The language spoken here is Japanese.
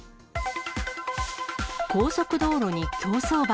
高速道路に競走馬。